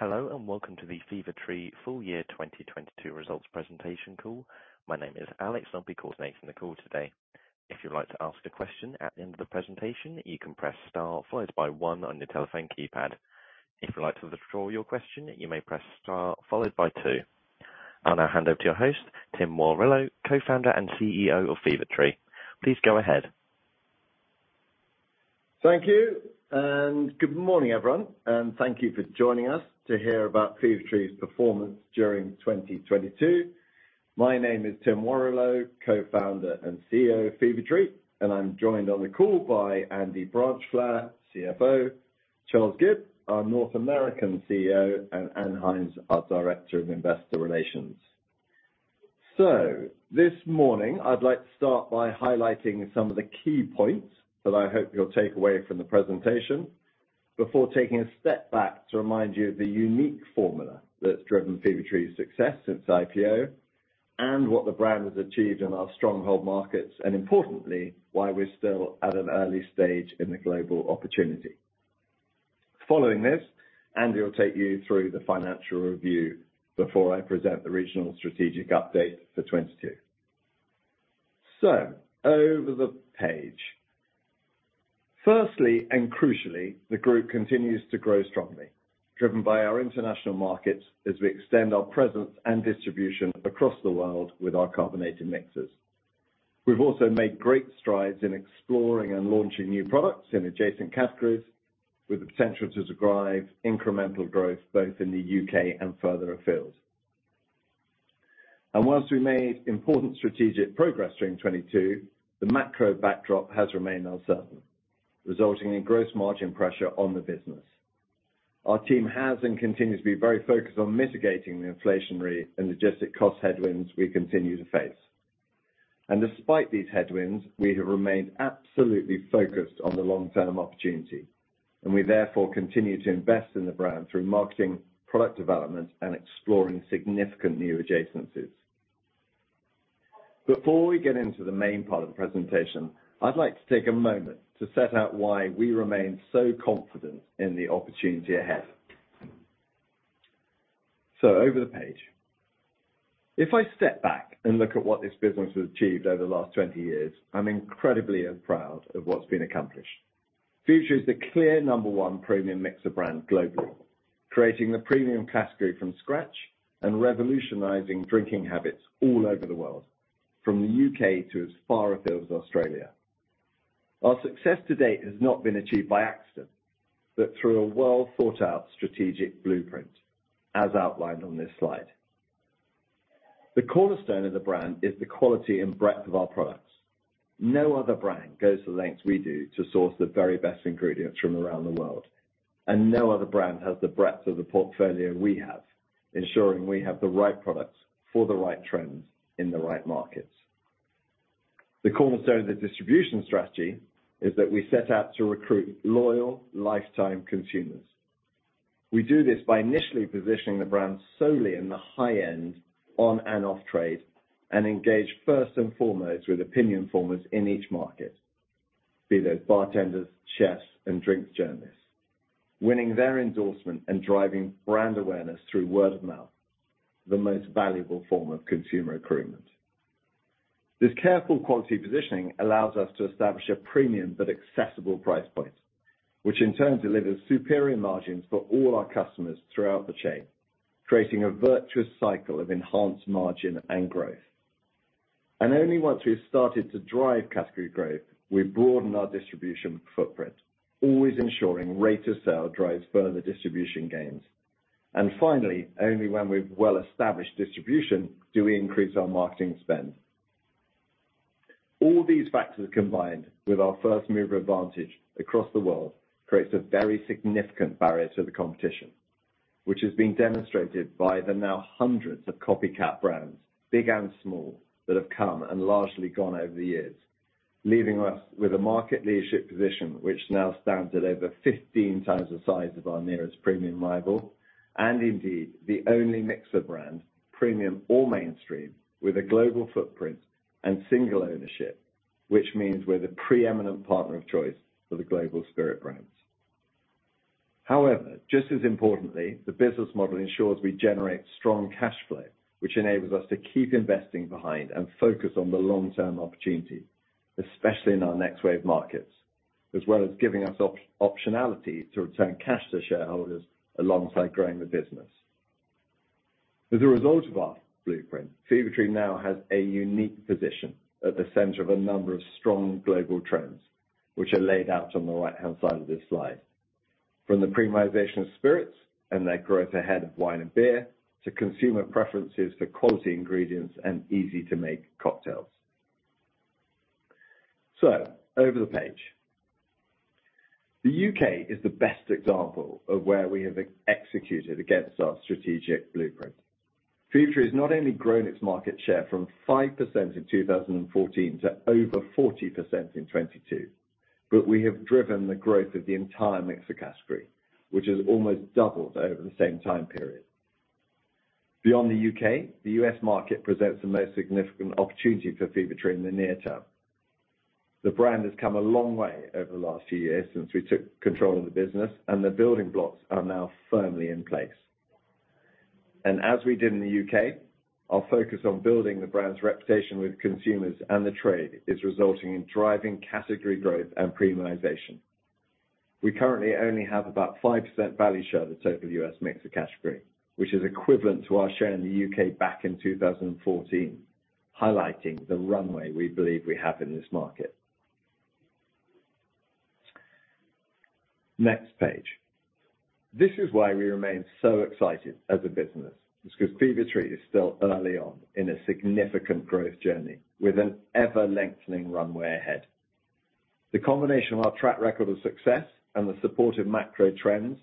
Hello, welcome to the Fever-Tree Full Year 2022 results presentation call. My name is Alex. I'll be coordinating the call today. If you'd like to ask a question at the end of the presentation, you can press Star one on your telephone keypad. If you'd like to withdraw your question, you may press Star two. I'll now hand over to your host, Tim Warrillow, co-founder and CEO of Fever-Tree. Please go ahead. Thank you, and good morning, everyone, and thank you for joining us to hear about Fever-Tree's performance during 2022. My name is Tim Warrillow, Co-Founder and CEO of Fever-Tree, and I'm joined on the call by Andy Branchflower, CFO, Charles Gibb, our North American CEO, and Ann Hyams, our Director of Investor Relations. This morning, I'd like to start by highlighting some of the key points that I hope you'll take away from the presentation before taking a step back to remind you of the unique formula that's driven Fever-Tree's success since IPO and what the brand has achieved in our stronghold markets, and importantly, why we're still at an early stage in the global opportunity. Following this, Andy will take you through the financial review before I present the regional strategic update for 22. Over the page. Firstly and crucially, the group continues to grow strongly, driven by our international markets as we extend our presence and distribution across the world with our carbonated mixers. We've also made great strides in exploring and launching new products in adjacent categories with the potential to drive incremental growth both in the U.K. And further afield. Whilst we made important strategic progress during 2022, the macro backdrop has remained uncertain, resulting in gross margin pressure on the business. Our team has and continues to be very focused on mitigating the inflationary and logistic cost headwinds we continue to face. Despite these headwinds, we have remained absolutely focused on the long-term opportunity, and we therefore continue to invest in the brand through marketing, product development, and exploring significant new adjacencies. Before we get into the main part of the presentation, I'd like to take a moment to set out why we remain so confident in the opportunity ahead. Over the page. If I step back and look at what this business has achieved over the last 20 years, I'm incredibly proud of what's been accomplished. Fever-Tree is the clear number 1 premium mixer brand globally, creating the premium category from scratch and revolutionizing drinking habits all over the world, from the U.K. to as far afield as Australia. Our success to date has not been achieved by accident, but through a well-thought-out strategic blueprint as outlined on this slide. The cornerstone of the brand is the quality and breadth of our products. No other brand goes to the lengths we do to source the very best ingredients from around the world, and no other brand has the breadth of the portfolio we have, ensuring we have the right products for the right trends in the right markets. The cornerstone of the distribution strategy is that we set out to recruit loyal lifetime consumers. We do this by initially positioning the brand solely in the high-end on and off trade, and engage first and foremost with opinion formers in each market, be those bartenders, chefs, and drinks journalists. Winning their endorsement and driving brand awareness through word of mouth, the most valuable form of consumer recruitment. This careful quality positioning allows us to establish a premium but accessible price point, which in turn delivers superior margins for all our customers throughout the chain, creating a virtuous cycle of enhanced margin and growth. Only once we've started to drive category growth, we broaden our distribution footprint, always ensuring rate of sale drives further distribution gains. Finally, only when we've well-established distribution, do we increase our marketing spend. All these factors combined with our first mover advantage across the world creates a very significant barrier to the competition, which has been demonstrated by the now hundreds of copycat brands, big and small, that have come and largely gone over the years, leaving us with a market leadership position which now stands at over 15x the size of our nearest premium rival, and indeed, the only mixer brand, premium or mainstream, with a global footprint and single ownership, which means we're the preeminent partner of choice for the global spirit brands. However, just as importantly, the business model ensures we generate strong cash flow, which enables us to keep investing behind and focus on the long-term opportunity, especially in our next wave markets, as well as giving us opt-optionality to return cash to shareholders alongside growing the business. As a result of our blueprint, Fever-Tree now has a unique position at the center of a number of strong global trends, which are laid out on the right-hand side of this slide. From the premiumization of spirits and their growth ahead of wine and beer, to consumer preferences for quality ingredients and easy to make cocktails. Over the page. The U.K. is the best example of where we have executed against our strategic blueprint. Fever-Tree has not only grown its market share from 5% in 2014 to over 40% in 2022, but we have driven the growth of the entire mixer category, which has almost doubled over the same time period. Beyond the U.K., the U.S. Market presents the most significant opportunity for Fever-Tree in the near term. The brand has come a long way over the last few years since we took control of the business, and the building blocks are now firmly in place. As we did in the U.K., our focus on building the brand's reputation with consumers and the trade is resulting in driving category growth and premiumization. We currently only have about 5% value share of the total U.S. mixer category, which is equivalent to our share in the U.K. back in 2014, highlighting the runway we believe we have in this market. Next page. This is why we remain so excited as a business, is because Fever-Tree is still early on in a significant growth journey with an ever-lengthening runway ahead. The combination of our track record of success and the supportive macro trends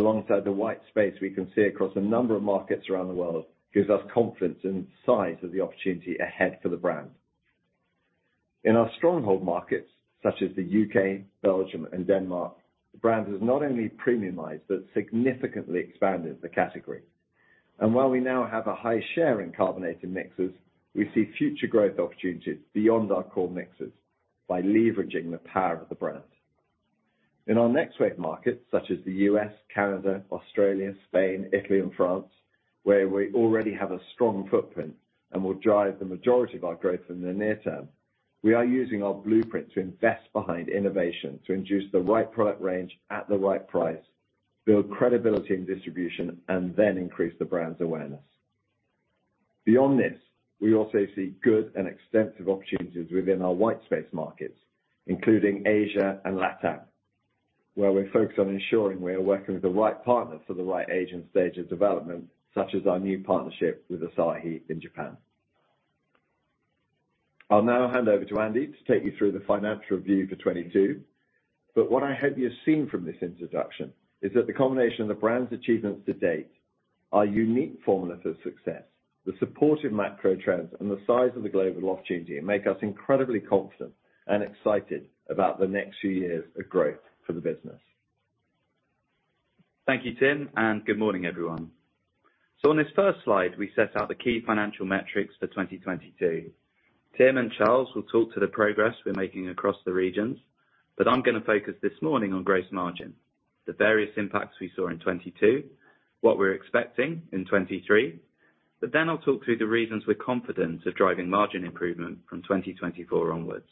alongside the white space we can see across a number of markets around the world, gives us confidence in the size of the opportunity ahead for the brand. In our stronghold markets such as the U.K., Belgium and Denmark, the brand has not only premiumized, but significantly expanded the category. While we now have a high share in carbonated mixers, we see future growth opportunities beyond our core mixers by leveraging the power of the brand. In our next wave markets, such as the U.S., Canada, Australia, Spain, Italy and France, where we already have a strong footprint and will drive the majority of our growth in the near term, we are using our blueprint to invest behind innovation, to introduce the right product range at the right price, build credibility and distribution, and then increase the brand's awareness. Beyond this, we also see good and extensive opportunities within our white space markets, including Asia and LATAM, where we're focused on ensuring we are working with the right partners for the right agent stage of development, such as our new partnership with Asahi in Japan. I'll now hand over to Andy to take you through the financial review for 2022. What I hope you have seen from this introduction is that the combination of the brand's achievements to date are unique formula for success. The supportive macro trends and the size of the global opportunity make us incredibly confident and excited about the next few years of growth for the business. Thank you, Tim, and good morning, everyone. On this first slide, we set out the key financial metrics for 2022. Tim and Charles will talk to the progress we're making across the regions, I'm gonna focus this morning on gross margin, the various impacts we saw in 2022, what we're expecting in 2023. Then I'll talk through the reasons we're confident of driving margin improvement from 2024 onwards.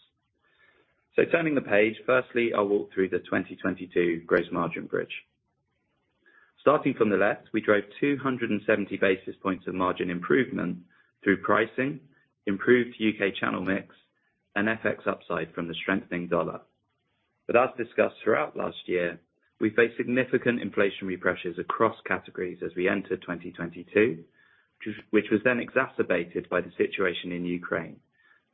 Turning the page, firstly, I'll walk through the 2022 gross margin bridge. Starting from the left, we drove 270 basis points of margin improvement through pricing, improved U.K. channel mix and FX upside from the strengthening dollar. As discussed throughout last year, we faced significant inflationary pressures across categories as we entered 2022, which was then exacerbated by the situation in Ukraine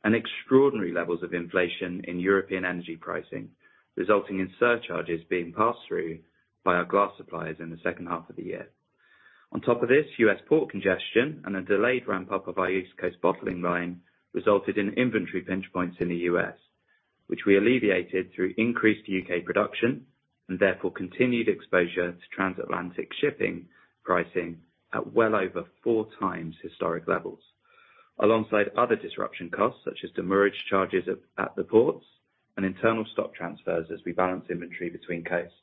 and extraordinary levels of inflation in European energy pricing, resulting in surcharges being passed through by our glass suppliers in the second half of the year. On top of this U.S. port congestion and a delayed ramp up of our East Coast bottling line resulted in inventory pinch points in the U.S., which we alleviated through increased UK production and therefore continued exposure to transatlantic shipping pricing at well over four times historic levels. Alongside other disruption costs, such as demurrage charges at the ports and internal stock transfers as we balance inventory between coasts.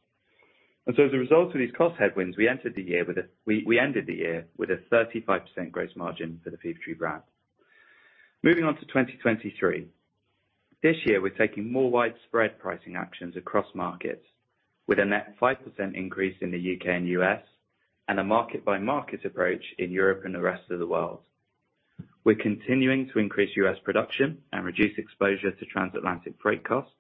As a result of these cost headwinds, we ended the year with a 35% gross margin for the Fever-Tree brand. Moving on to 2023. This year we're taking more widespread pricing actions across markets with a net 5% increase in the U.K. and U.S., and a market by market approach in Europe and the rest of the world. We're continuing to increase U.S. production and reduce exposure to transatlantic freight costs,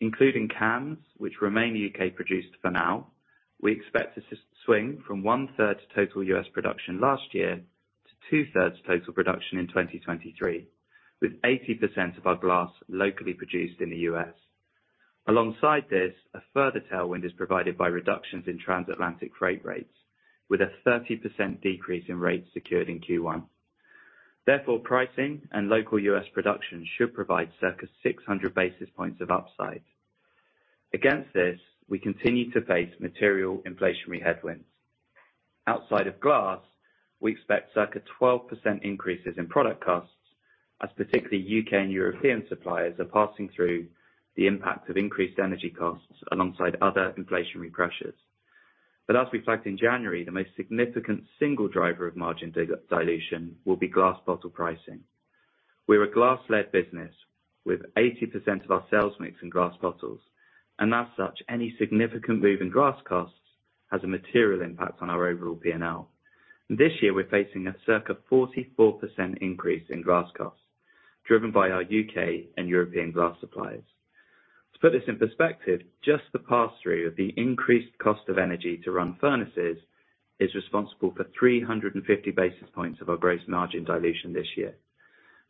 including cans, which remain U.K. produced for now. We expect this to swing from one-third to total U.S. production last year to two-thirds total production in 2023, with 80% of our glass locally produced in the U.S. Alongside this, a further tailwind is provided by reductions in transatlantic freight rates with a 30% decrease in rates secured in Q1. Therefore, pricing and local U.S. production should provide circa 600 basis points of upside. Against this, we continue to face material inflationary headwinds. Outside of glass, we expect circa 12% increases in product costs, as particularly U.K. and European suppliers are passing through the impact of increased energy costs alongside other inflationary pressures. As reflected in January, the most significant single driver of margin dilution will be glass bottle pricing. We're a glass-led business with 80% of our sales mix in glass bottles, and as such, any significant move in glass costs has a material impact on our overall P&L. This year we're facing a circa 44% increase in glass costs, driven by our U.K. and European glass suppliers. To put this in perspective, just the pass-through of the increased cost of energy to run furnaces is responsible for 350 basis points of our gross margin dilution this year.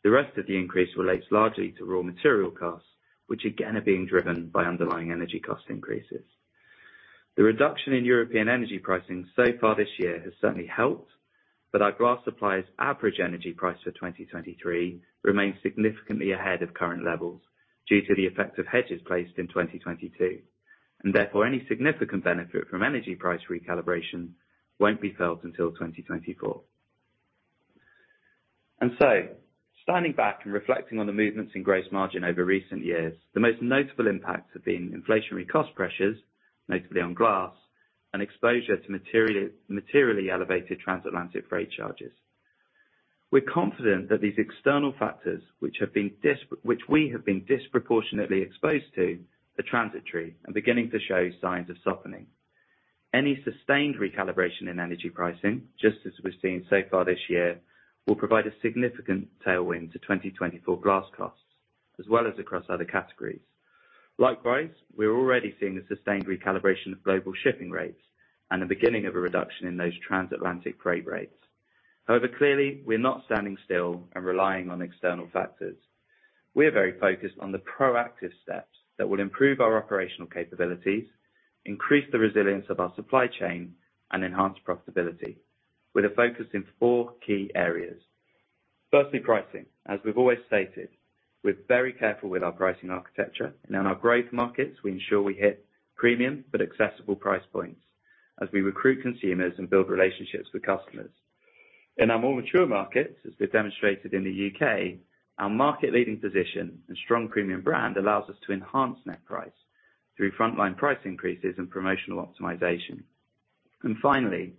The rest of the increase relates largely to raw material costs, which again are being driven by underlying energy cost increases. The reduction in European energy pricing so far this year has certainly helped, but our glass suppliers' average energy price for 2023 remains significantly ahead of current levels due to the effects of hedges placed in 2022. Therefore, any significant benefit from energy price recalibration won't be felt until 2024. Standing back and reflecting on the movements in gross margin over recent years, the most notable impacts have been inflationary cost pressures, notably on glass and exposure to materially elevated transatlantic freight charges. We're confident that these external factors which we have been disproportionately exposed to, are transitory and beginning to show signs of softening. Any sustained recalibration in energy pricing, just as we've seen so far this year, will provide a significant tailwind to 2024 glass costs, as well as across other categories. Likewise, we're already seeing a sustained recalibration of global shipping rates and the beginning of a reduction in those transatlantic freight rates. However, clearly we're not standing still and relying on external factors. We are very focused on the proactive steps that will improve our operational capabilities, increase the resilience of our supply chain, and enhance profitability with a focus in four key areas. Firstly, pricing. As we've always stated, we're very careful with our pricing architecture and in our growth markets, we ensure we hit premium but accessible price points as we recruit consumers and build relationships with customers. In our more mature markets, as we've demonstrated in the UK, our market leading position and strong premium brand allows us to enhance net price through frontline price increases and promotional optimization. Finally,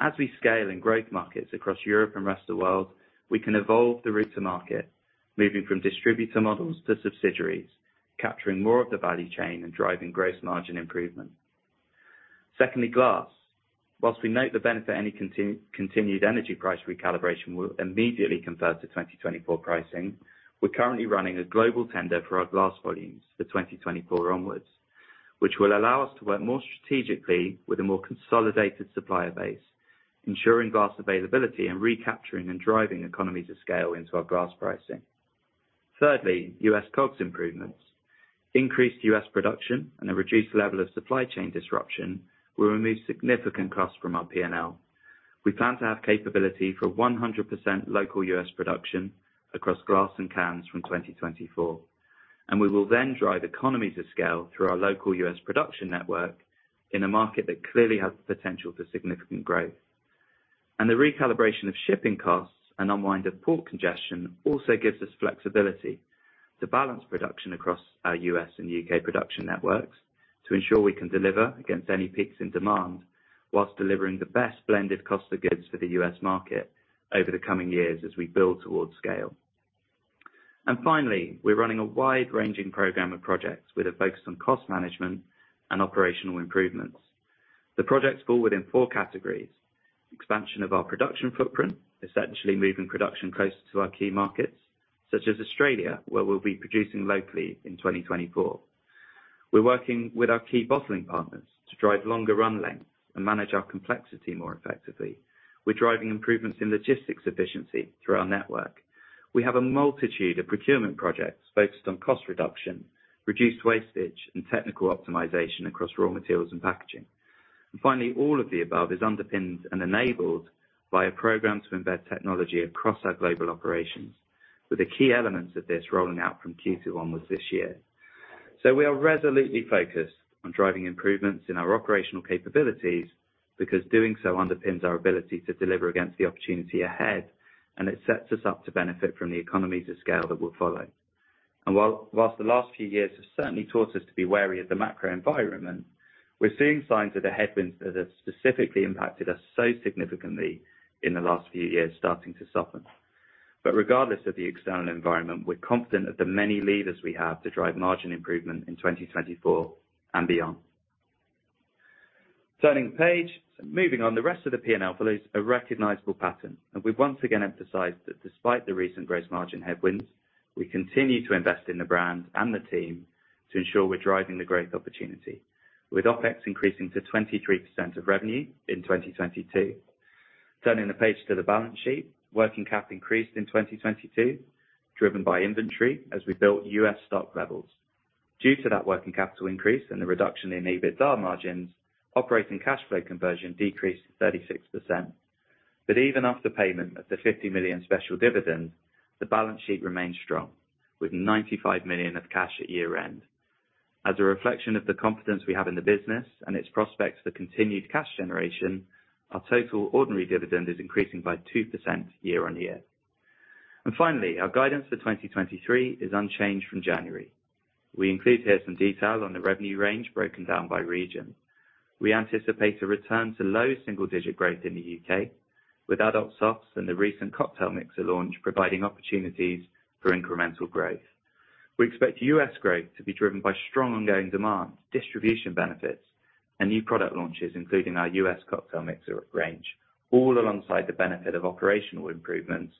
as we scale in growth markets across Europe and rest of world, we can evolve the route to market, moving from distributor models to subsidiaries, capturing more of the value chain and driving gross margin improvement. Secondly, glass. Whilst we note the benefit any continued energy price recalibration will immediately convert to 2024 pricing, we're currently running a global tender for our glass volumes for 2024 onwards, which will allow us to work more strategically with a more consolidated supplier base, ensuring glass availability and recapturing and driving economies of scale into our glass pricing. Thirdly, US COGS improvements. Increased US production and a reduced level of supply chain disruption will remove significant costs from our P&L. We plan to have capability for 100% local US production across glass and cans from 2024, and we will then drive economies of scale through our local U.S. production network in a market that clearly has the potential for significant growth. The recalibration of shipping costs and unwind of port congestion also gives us flexibility to balance production across our U.S. and U.K. production networks to ensure we can deliver against any peaks in demand whilst delivering the best blended cost of goods for the U.S. market over the coming years as we build towards scale. Finally, we're running a wide-ranging program of projects with a focus on cost management and operational improvements. The projects fall within four categories. Expansion of our production footprint, essentially moving production closer to our key markets such as Australia, where we'll be producing locally in 2024. We're working with our key bottling partners to drive longer run lengths and manage our complexity more effectively. We're driving improvements in logistics efficiency through our network. We have a multitude of procurement projects focused on cost reduction, reduced wastage and technical optimization across raw materials and packaging. Finally, all of the above is underpinned and enabled by a program to embed technology across our global operations, with the key elements of this rolling out from Q2 onwards this year. We are resolutely focused on driving improvements in our operational capabilities because doing so underpins our ability to deliver against the opportunity ahead, and it sets us up to benefit from the economies of scale that will follow. Whilst the last few years have certainly taught us to be wary of the macro environment, we're seeing signs that the headwinds that have specifically impacted us so significantly in the last few years starting to soften. Regardless of the external environment, we're confident of the many levers we have to drive margin improvement in 2024 and beyond. Turning the page. Moving on. The rest of the P&L follows a recognizable pattern, and we've once again emphasized that despite the recent gross margin headwinds, we continue to invest in the brand and the team to ensure we're driving the growth opportunity. With OpEx increasing to 23% of revenue in 2022. Turning the page to the balance sheet. Working capital increased in 2022, driven by inventory as we built U.S. stock levels. Due to that working capital increase and the reduction in EBITDA margins, operating cash flow conversion decreased to 36%. Even after payment of the 50 million special dividend, the balance sheet remained strong with 95 million of cash at year-end. As a reflection of the confidence we have in the business and its prospects for continued cash generation, our total ordinary dividend is increasing by 2% year-on-year. Finally, our guidance for 2023 is unchanged from January. We include here some detail on the revenue range broken down by region. We anticipate a return to low single digit growth in the U.K. with adult softs and the recent cocktail mixer launch providing opportunities for incremental growth. We expect U.S. Growth to be driven by strong ongoing demand, distribution benefits and new product launches, including our U.S. cocktail mixer range, all alongside the benefit of operational improvements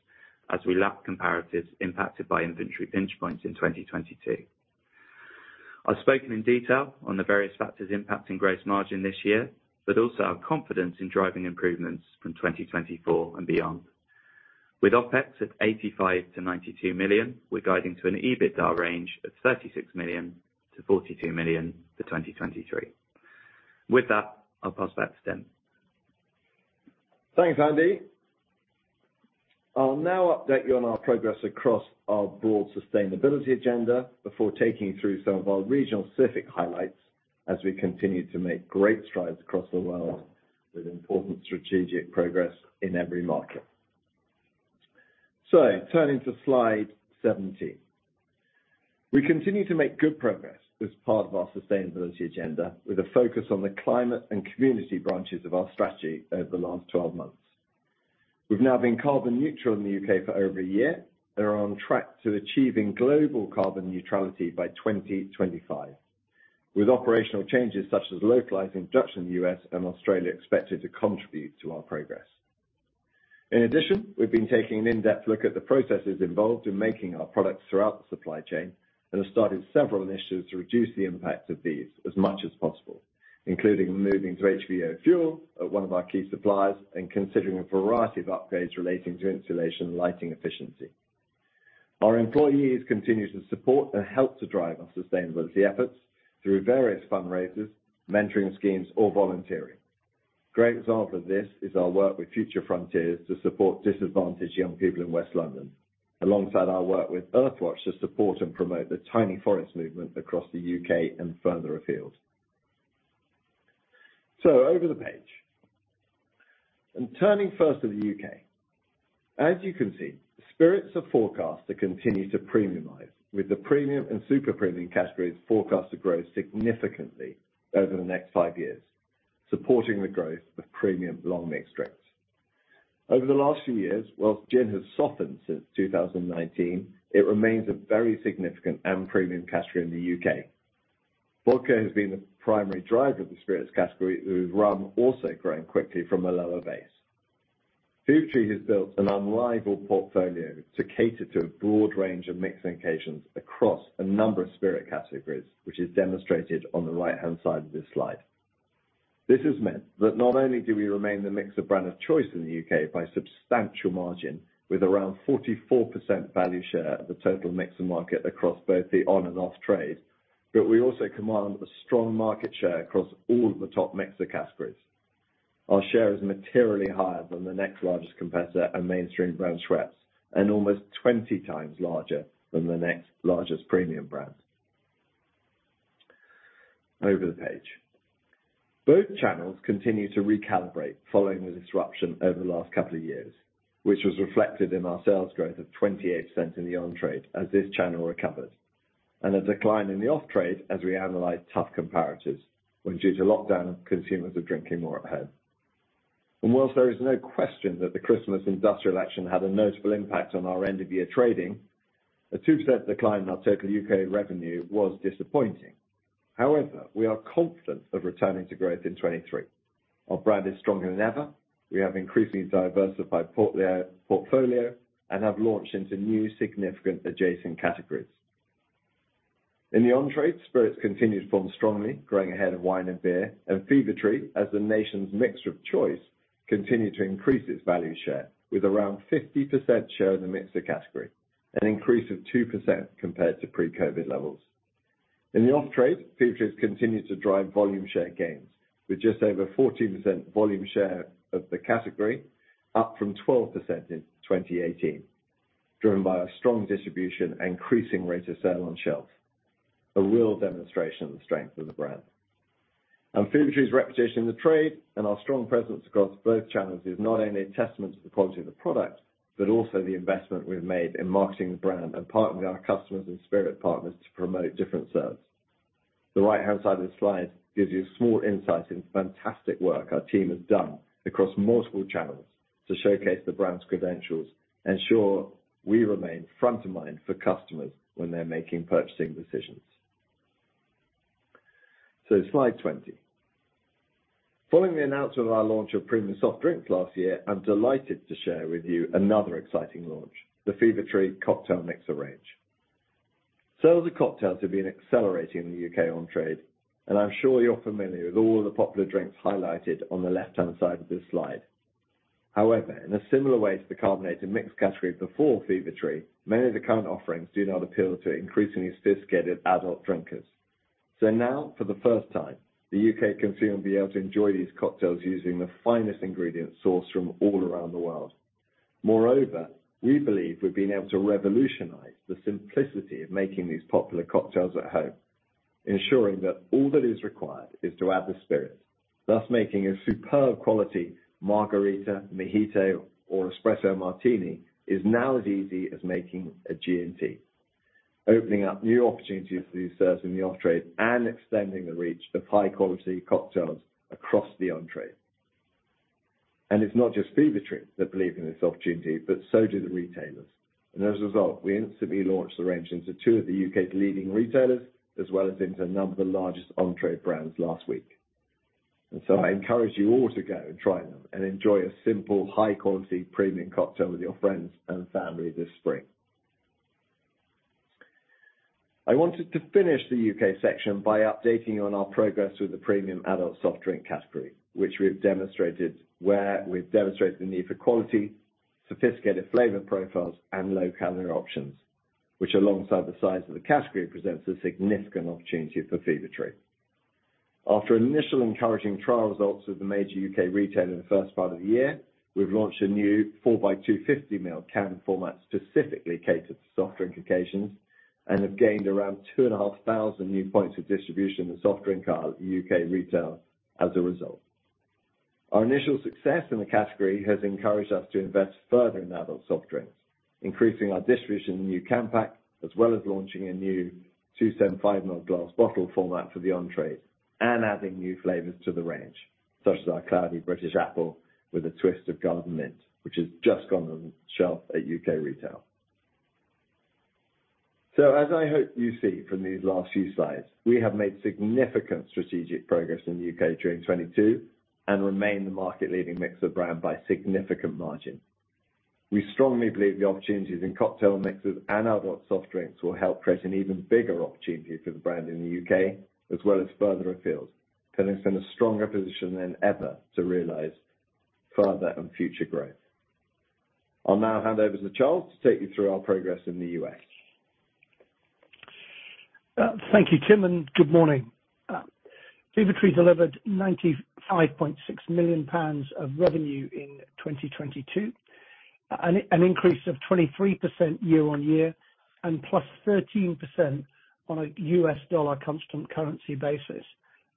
as we lap comparatives impacted by inventory pinch points in 2022. I've spoken in detail on the various factors impacting gross margin this year, but also our confidence in driving improvements from 2024 and beyond. With OpEx at 85 million-92 million, we're guiding to an EBITDA range of 36 million-42 million for 2023. With that, I'll pass back to Tim. Thanks, Andy. I'll now update you on our progress across our broad sustainability agenda before taking you through some of our regional specific highlights as we continue to make great strides across the world with important strategic progress in every market. Turning to slide 17. We continue to make good progress as part of our sustainability agenda with a focus on the climate and community branches of our strategy over the last 12 months. We've now been carbon neutral in the U.K. for over a year and are on track to achieving global carbon neutrality by 2025, with operational changes such as localized production in the U.S. and Australia expected to contribute to our progress. As you can see, spirits are forecast to continue to premiumize, with the premium and super premium categories forecast to grow significantly over the next five years, supporting the growth of premium long mixed drinks. Over the last few years, whilst gin has softened since 2019, it remains a very significant and premium category in the U.K. Vodka has been the primary driver of the spirits category, with rum also growing quickly from a lower base. Fever-Tree has built an unrivaled portfolio to cater to a broad range of mixing occasions across a number of spirit categories, which is demonstrated on the right-hand side of this slide. This has meant that not only do we remain the mixer brand of choice in the U.K. by substantial margin, with around 44% value share of the total mixer market across both the on and off-trade, but we also command a strong market share across all of the top mixer categories. Our share is materially higher than the next largest competitor and mainstream brand, Schweppes, and almost 20 times larger than the next largest premium brand. Over the page. Both channels continue to recalibrate following the disruption over the last couple of years, which was reflected in our sales growth of 28% in the on-trade as this channel recovers, and a decline in the off-trade as we analyze tough comparators, when due to lockdown, consumers are drinking more at home. Whilst there is no question that the Christmas industrial action had a notable impact on our end-of-year trading, a 2% decline in our total U.K. revenue was disappointing. However, we are confident of returning to growth in 2023. Our brand is stronger than ever. We have increasingly diversified portfolio and have launched into new significant adjacent categories. In the on-trade, spirits continue to form strongly, growing ahead of wine and beer. Fever-Tree, as the nation's mixer of choice, continued to increase its value share with around 50% share in the mixer category, an increase of 2% compared to pre-COVID levels. In the off-trade, Fever-Tree has continued to drive volume share gains with just over 14% volume share of the category, up from 12% in 2018, driven by a strong distribution, increasing rate of sale on shelf. A real demonstration of the strength of the brand. Fever-Tree's reputation in the trade and our strong presence across both channels is not only a testament to the quality of the product, but also the investment we've made in marketing the brand and partnering with our customers and spirit partners to promote different serves. The right-hand side of the slide gives you a small insight into the fantastic work our team has done across multiple channels to showcase the brand's credentials, ensure we remain front of mind for customers when they're making purchasing decisions. Slide 20. Following the announcement of our launch of premium soft drinks last year, I'm delighted to share with you another exciting launch, the Fever-Tree Cocktail Mixer range. Sales of cocktails have been accelerating in the U.K. on-trade. I'm sure you're familiar with all the popular drinks highlighted on the left-hand side of this slide. In a similar way to the carbonated mixed category before Fever-Tree, many of the current offerings do not appeal to increasingly sophisticated adult drinkers. Now, for the first time, the U.K. consumer will be able to enjoy these cocktails using the finest ingredients sourced from all around the world. We believe we've been able to revolutionize the simplicity of making these popular cocktails at home, ensuring that all that is required is to add the spirit, thus making a superb quality Margarita, mojito, or espresso martini is now as easy as making a G&T, opening up new opportunities for these serves in the off-trade and extending the reach of high-quality cocktails across the on-trade. It's not just Fever-Tree that believe in this opportunity, but so do the retailers. As a result, we instantly launched the range into two of the U.K.'s leading retailers, as well as into a number of the largest on-trade brands last week. I encourage you all to go and try them and enjoy a simple, high-quality premium cocktail with your friends and family this spring. I wanted to finish the U.K. section by updating you on our progress with the premium adult soft drink category, which we've demonstrated the need for quality, sophisticated flavor profiles, and low-calorie options, which alongside the size of the category, presents a significant opportunity for Fever-Tree. After initial encouraging trial results with a major U.K. retailer in the first part of the year, we've launched a new 4 by 250 mil can format specifically catered to soft drink occasions, and have gained around 2,500 new points of distribution in soft drink at U.K. retail as a result. Our initial success in the category has encouraged us to invest further in adult soft drinks, increasing our distribution in the new can pack, as well as launching a new 275 ml glass bottle format for the on-trade and adding new flavors to the range, such as our Cloudy British Apple with a Twist of Garden Mint, which has just gone on shelf at U.K. retail. As I hope you see from these last few slides, we have made significant strategic progress in the U.K. during 2022 and remain the market-leading mixer brand by a significant margin. We strongly believe the opportunities in cocktail mixes and adult soft drinks will help create an even bigger opportunity for the brand in the U.K. as well as further afield, putting us in a stronger position than ever to realize further and future growth. I'll now hand over to Charles to take you through our progress in the U.S. Thank you, Tim, and good morning. Fever-Tree delivered 95.6 million pounds of revenue in 2022. An increase of 23% year-on-year and +13% on a U.S. dollar constant currency basis.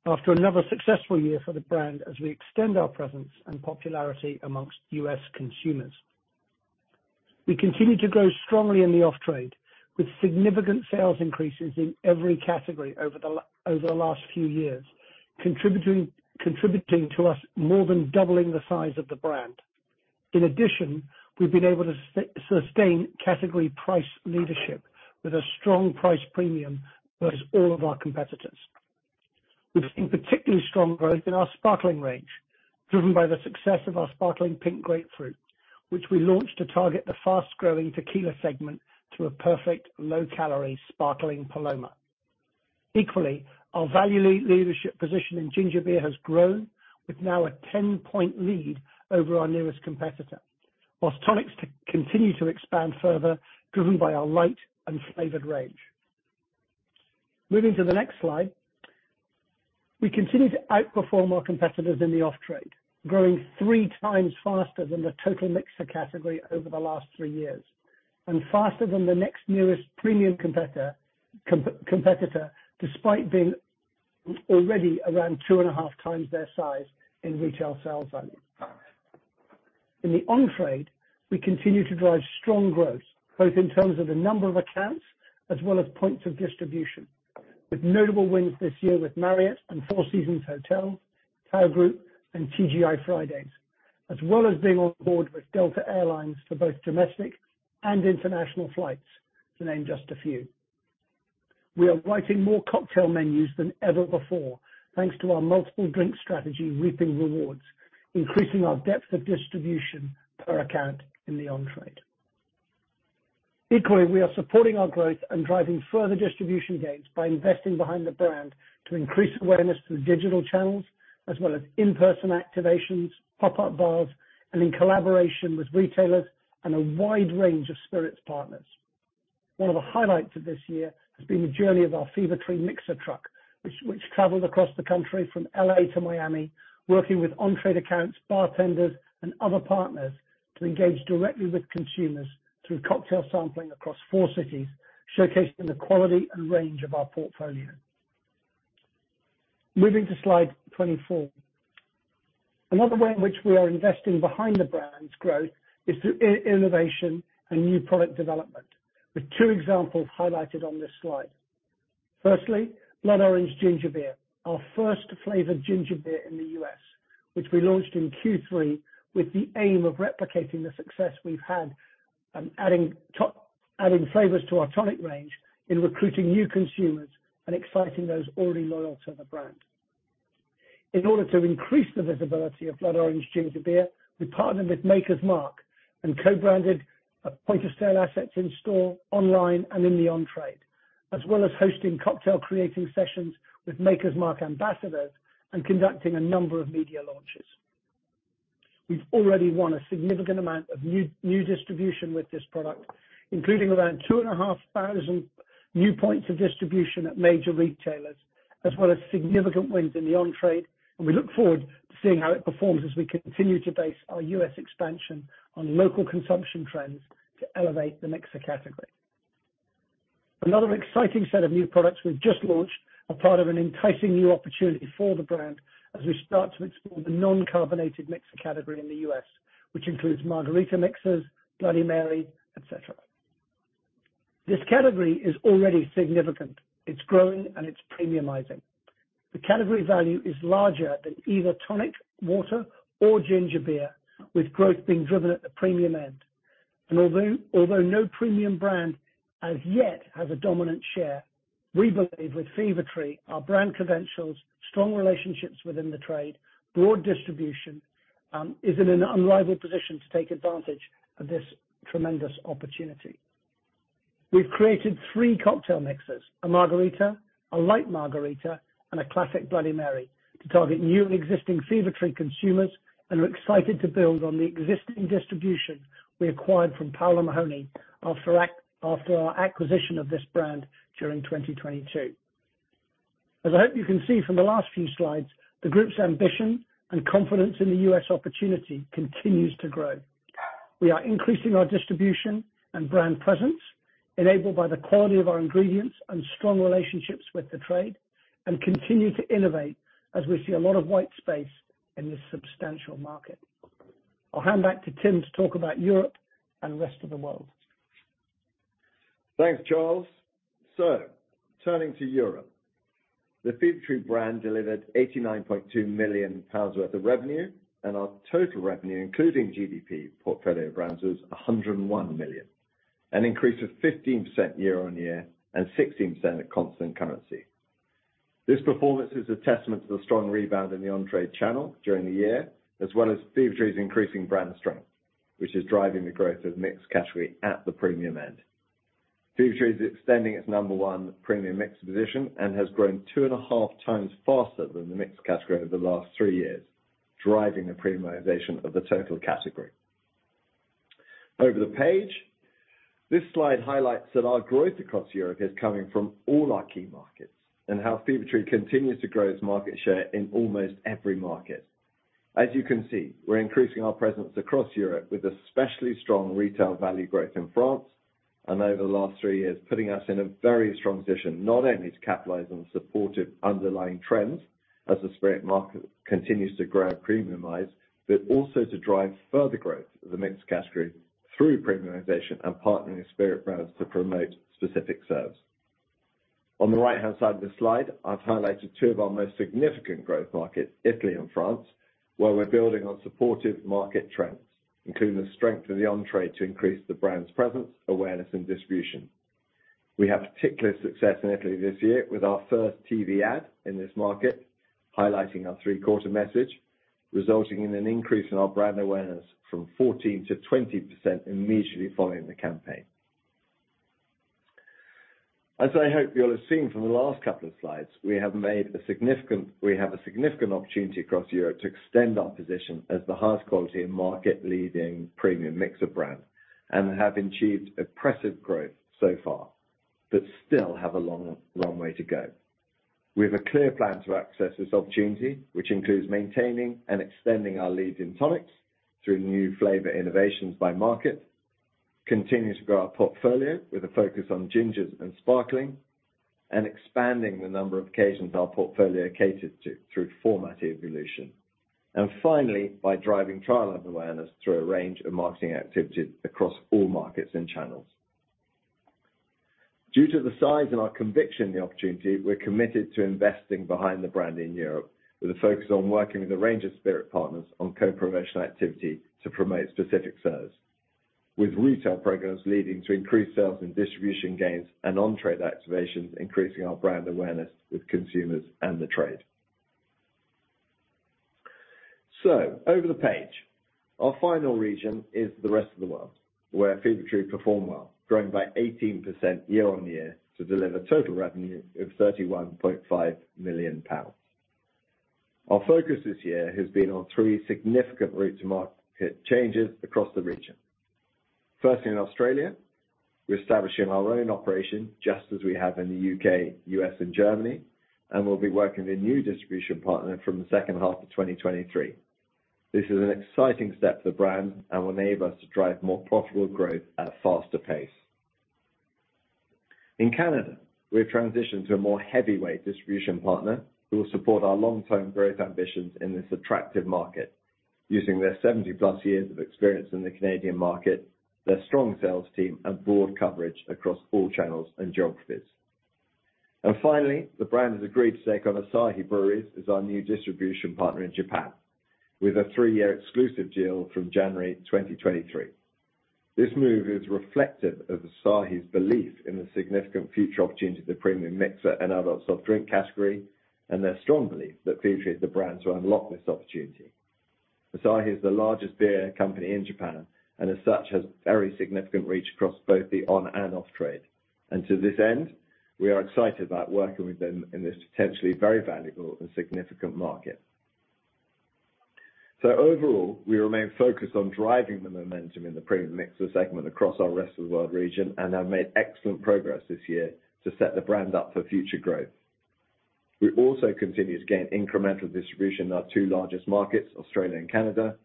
After another successful year for the brand as we extend our presence and popularity amongst U.S. consumers. We continue to grow strongly in the off trade, with significant sales increases in every category over the last few years, contributing to us more than doubling the size of the brand. In addition, we've been able to sustain category price leadership with a strong price premium versus all of our competitors. We've seen particularly strong growth in our sparkling range, driven by the success of our Sparkling Pink Grapefruit, which we launched to target the fast-growing tequila segment to a perfect low-calorie sparkling Paloma. Equally, our value leadership position in ginger beer has grown with now a 10-point lead over our nearest competitor. Whilst tonics to continue to expand further, driven by our light and flavored range. Moving to the next slide, we continue to outperform our competitors in the off-trade, growing 3x faster than the total mixer category over the last 3 years, and faster than the next nearest premium competitor, despite being already around two and a half times their size in retail sales value. In the on-trade, we continue to drive strong growth, both in terms of the number of accounts as well as points of distribution, with notable wins this year with Marriott and Four Seasons Hotels, Tao Group, and TGI Fridays, as well as being on board with Delta Air Lines for both domestic and international flights, to name just a few. We are writing more cocktail menus than ever before, thanks to our multiple drink strategy reaping rewards, increasing our depth of distribution per account in the on-trade. Equally, we are supporting our growth and driving further distribution gains by investing behind the brand to increase awareness through digital channels as well as in-person activations, pop-up bars, and in collaboration with retailers and a wide range of spirits partners. One of the highlights of this year has been the journey of our Fever-Tree mixer truck, which traveled across the country from L.A. to Miami, working with on-trade accounts, bartenders, and other partners to engage directly with consumers through cocktail sampling across four cities, showcasing the quality and range of our portfolio. Moving to slide 24. Another way in which we are investing behind the brand's growth is through innovation and new product development, with two examples highlighted on this slide. Firstly, Blood Orange Ginger Beer, our first flavored ginger beer in the U.S., which we launched in Q3 with the aim of replicating the success we've had, adding flavors to our tonic range in recruiting new consumers and exciting those already loyal to the brand. In order to increase the visibility of Blood Orange Ginger Beer, we partnered with Maker's Mark and co-branded point-of-sale assets in store, online, and in the on-trade, as well as hosting cocktail creating sessions with Maker's Mark ambassadors and conducting a number of media launches. We've already won a significant amount of new distribution with this product, including around 2,500 new points of distribution at major retailers, as well as significant wins in the on-trade. We look forward to seeing how it performs as we continue to base our U.S. Expansion on local consumption trends to elevate the mixer category. Another exciting set of new products we've just launched are part of an enticing new opportunity for the brand as we start to explore the non-carbonated mixer category in the U.S., which includes Margarita mixers, Bloody Mary, et cetera. This category is already significant. It's growing, and it's premiumizing. The category value is larger than either tonic water or ginger beer, with growth being driven at the premium end. Although no premium brand as yet has a dominant share, we believe with Fever-Tree, our brand credentials, strong relationships within the trade, broad distribution, is in an unrivaled position to take advantage of this tremendous opportunity. We've created t hree cocktail mixers, a Margarita, a light margarita, and a classic Bloody Mary. To target new and existing Fever-Tree consumers, we're excited to build on the existing distribution we acquired from Powell & Mahoney after our acquisition of this brand during 2022. As I hope you can see from the last few slides, the group's ambition and confidence in the U.S. opportunity continues to grow. We are increasing our distribution and brand presence, enabled by the quality of our ingredients and strong relationships with the trade, and continue to innovate as we see a lot of white space in this substantial market. I'll hand back to Tim to talk about Europe and the rest of the world. Thanks, Charles. Turning to Europe. The Fever-Tree brand delivered 89.2 million pounds worth of revenue, and our total revenue, including P&M portfolio brands, was 101 million, an increase of 15% year-on-year, and 16% at constant currency. This performance is a testament to the strong rebound in the on-trade channel during the year, as well as Fever-Tree's increasing brand strength, which is driving the growth of mixed category at the premium end. Fever-Tree is extending its number one premium mixer position and has grown two and a half times faster than the mixed category over the last three years, driving the premiumization of the total category. Over the page. This slide highlights that our growth across Europe is coming from all our key markets and how Fever-Tree continues to grow its market share in almost every market. As you can see, we're increasing our presence across Europe with especially strong retail value growth in France and over the last 3 years, putting us in a very strong position not only to capitalize on the supportive underlying trends as the spirit market continues to grow and premiumize, but also to drive further growth of the mixed category through premiumization and partnering with spirit brands to promote specific serves. On the right-hand side of this slide, I've highlighted two of our most significant growth markets, Italy and France, where we're building on supportive market trends, including the strength of the on-trade to increase the brand's presence, awareness and distribution. We have particular success in Italy this year with our first TV ad in this market, highlighting our three-quarters message, resulting in an increase in our brand awareness from 14%-20% immediately following the campaign. As I hope you'll have seen from the last couple of slides, we have a significant opportunity across Europe to extend our position as the highest quality and market-leading premium mixer brand and have achieved impressive growth so far, but still have a long, long way to go. We have a clear plan to access this opportunity, which includes maintaining and extending our lead in tonics through new flavor innovations by market. Continue to grow our portfolio with a focus on gingers and sparkling, and expanding the number of occasions our portfolio caters to through format evolution. Finally, by driving trial and awareness through a range of marketing activities across all markets and channels. Due to the size and our conviction in the opportunity, we're committed to investing behind the brand in Europe with a focus on working with a range of spirit partners on co-promotional activity to promote specific serves. With retail programs leading to increased sales and distribution gains and on-trade activations increasing our brand awareness with consumers and the trade. Over the page. Our final region is the rest of the world, where Fever-Tree performed well, growing by 18% year on year to deliver total revenue of 31.5 million pounds. Our focus this year has been on three significant route to market changes across the region. Firstly, in Australia, we're establishing our own operation, just as we have in the U.K., U.S., and Germany, and we'll be working with a new distribution partner from the second half of 2023. This is an exciting step for the brand and will enable us to drive more profitable growth at a faster pace. In Canada, we have transitioned to a more heavyweight distribution partner who will support our long-term growth ambitions in this attractive market using their 70+ years of experience in the Canadian market, their strong sales team, and broad coverage across all channels and geographies. Finally, the brand has agreed to take on Asahi Breweries as our new distribution partner in Japan with a 3-year exclusive deal from January 2023. This move is reflective of Asahi's belief in the significant future opportunities of the premium mixer and adult soft drink category and their strong belief that Fever-Tree is the brand to unlock this opportunity. Asahi is the largest beer company in Japan and as such has very significant reach across both the on and off trade. To this end, we are excited about working with them in this potentially very valuable and significant market. Overall, we remain focused on driving the momentum in the premium mixer segment across our rest of the world region and have made excellent progress this year to set the brand up for future growth. We also continue to gain incremental distribution in our two largest markets, Australia and Canada,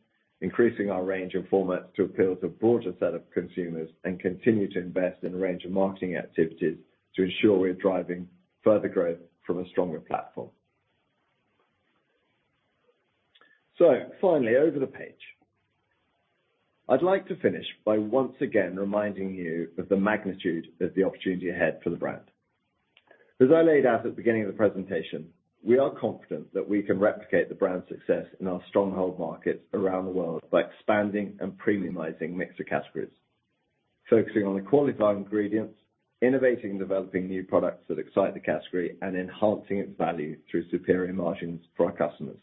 increasing our range and formats to appeal to a broader set of consumers and continue to invest in a range of marketing activities to ensure we're driving further growth from a stronger platform. Finally, over the page. I'd like to finish by once again reminding you of the magnitude of the opportunity ahead for the brand. As I laid out at the beginning of the presentation, we are confident that we can replicate the brand's success in our stronghold markets around the world by expanding and premiumizing mixer categories, focusing on the quality of our ingredients, innovating and developing new products that excite the category, and enhancing its value through superior margins for our customers.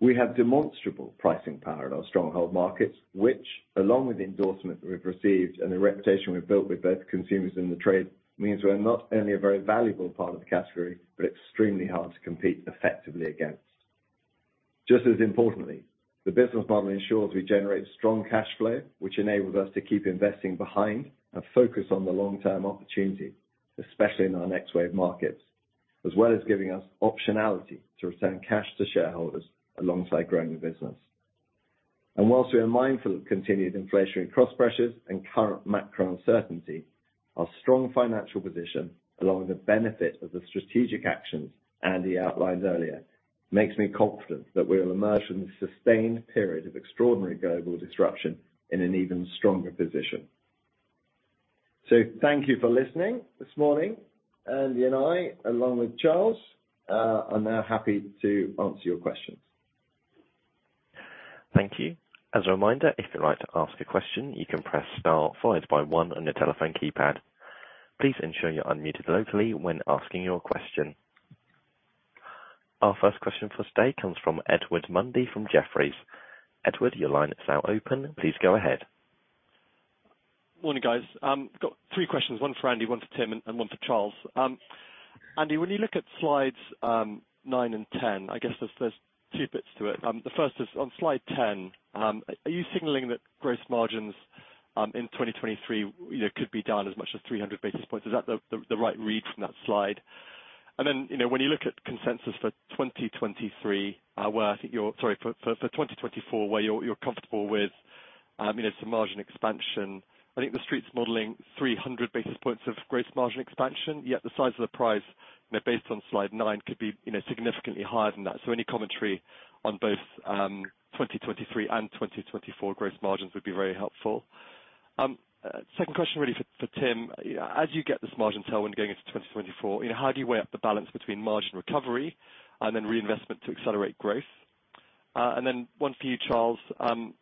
We have demonstrable pricing power in our stronghold markets, which, along with the endorsement that we've received and the reputation we've built with both consumers and the trade, means we're not only a very valuable part of the category, but extremely hard to compete effectively against. Just as importantly, the business model ensures we generate strong cash flow, which enables us to keep investing behind and focus on the long-term opportunity, especially in our next wave markets, as well as giving us optionality to return cash to shareholders alongside growing the business. Whilst we are mindful of continued inflationary cost pressures and current macro uncertainty, our strong financial position, along with the benefit of the strategic actions Andy outlined earlier, makes me confident that we will emerge from this sustained period of extraordinary global disruption in an even stronger position. Thank you for listening this morning. Andy and I, along with Charles, are now happy to answer your questions. Thank you. As a reminder, if you'd like to ask a question, you can press star followed by one on your telephone keypad. Please ensure you're unmuted locally when asking your question. Our first question for today comes from Edward Mundy from Jefferies. Edward, your line is now open. Please go ahead. Morning, guys. Got three questions, one for Andy, one for Tim, and one for Charles. Andy, when you look at slides nine and 10, I guess there's two bits to it. The first is on slide 10, are you signaling that gross margins in 2023, you know, could be down as much as 300 basis points? Is that the right read from that slide? You know, when you look at consensus for 2023, where I think for 2024, where you're comfortable with, you know, some margin expansion. I think the Street's modeling 300 basis points of gross margin expansion, yet the size of the prize, you know, based on slide 9, could be, you know, significantly higher than that. Any commentary on both 2023 and 2024 gross margins would be very helpful. Second question really for Tim, as you get this margin tailwind going into 2024, you know, how do you weigh up the balance between margin recovery and then reinvestment to accelerate growth? One for you, Charles. When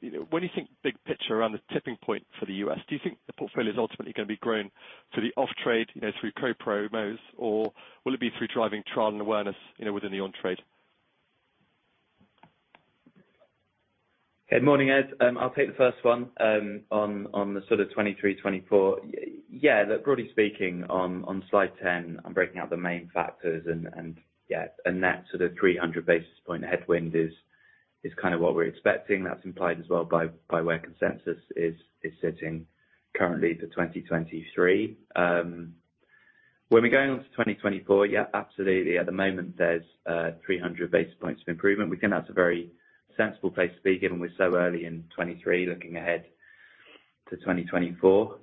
you think big picture around the tipping point for the U.S., do you think the portfolio is ultimately gonna be grown to the off-trade, you know, through co-promos, or will it be through driving trial and awareness, you know, within the on-trade? Good morning, Ed. I'll take the first one on the sort of 2023, 2024. Yeah, look, broadly speaking, on slide 10, I'm breaking out the main factors and, yeah, and that sort of 300 basis point headwind is kind of what we're expecting. That's implied as well by where consensus is sitting currently for 2023. When we go into 2024, yeah, absolutely. At the moment, there's 300 basis points of improvement. We think that's a very sensible place to be, given we're so early in 2023, looking ahead to 2024.